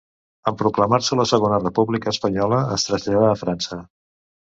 En proclamar-se la Segona República Espanyola, es traslladà a França.